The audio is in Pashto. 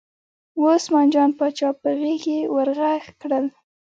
وه عثمان جان پاچا په غږ یې ور غږ کړل.